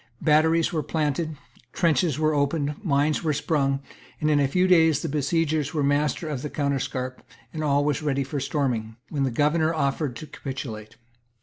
Batteries were planted; trenches were opened; mines were sprung; in a few days the besiegers were masters of the counterscarp; and all was ready for storming, when the governor offered to capitulate.